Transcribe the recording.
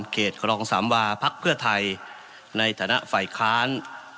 ครองสามวาพักเพื่อไทยในฐานะฝ่ายค้าน